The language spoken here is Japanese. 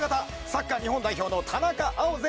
サッカー日本代表の田中碧選手